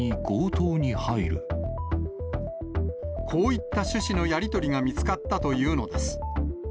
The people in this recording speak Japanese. こういった趣旨のやり取りが見つかったというのです。